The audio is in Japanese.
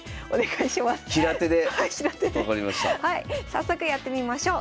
早速やってみましょう。